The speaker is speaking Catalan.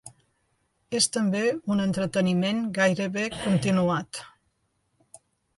És també un entreteniment gairebé continuat.